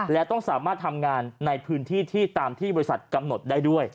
และต้องสามารถทำงานในพื้นที่ที่ตามที่บริษัทกำหนดได้ด้วย